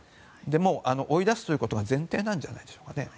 もう追い出すということが前提なんじゃないでしょうか。